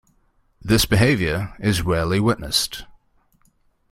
This behaviour is rarely witnessed.